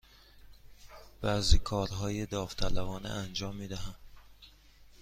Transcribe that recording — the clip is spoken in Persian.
بعضی کارهای داوطلبانه انجام می دهم.